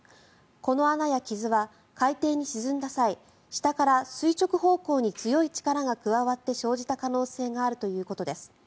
この穴や傷は海底に沈んだ際下から垂直方向に強い力が加わって生じた可能性があるということです。